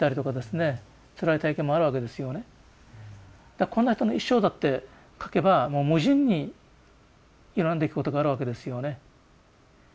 だからこんな人の一生だって書けばもう無尽にいろんな出来事があるわけですよね。